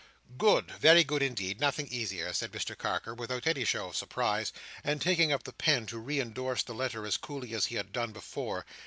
"Good, very good indeed. Nothing easier," said Mr Carker, without any show of surprise, and taking up the pen to re endorse the letter, as coolly as he had done before.